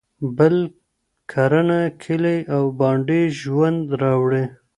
بل کرنه، کلي او بانډې ژوند راوړي.